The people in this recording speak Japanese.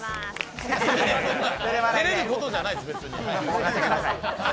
照れることじゃないです、別に。